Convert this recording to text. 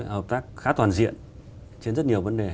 hợp tác khá toàn diện trên rất nhiều vấn đề